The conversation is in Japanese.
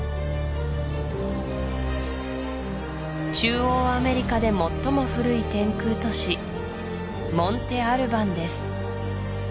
中央アメリカで最も古い天空都市モンテ・アルバンです